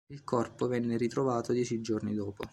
Il corpo venne ritrovato dieci giorni dopo.